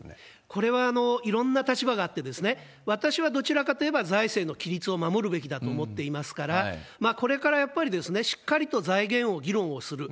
これはいろんな立場があって、私はどちらかといえば、財政の規律を守るべきだと思っていますから、これからやっぱり、しっかりと財源を議論をする。